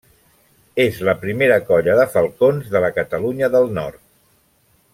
És la primera colla de falcons de la Catalunya del Nord.